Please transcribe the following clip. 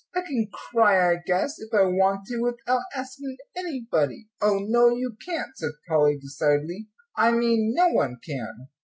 "I can cry, I guess, if I want to, without asking anybody." "Oh, no, you can't," said Polly, decidedly. "I mean no one can."